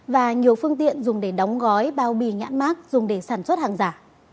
và nhiều phương tiện dùng để đóng gói bao bì nhãn mát dùng để sản xuất hàng giả